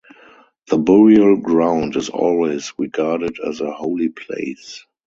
The burial ground is always regarded as a holy place.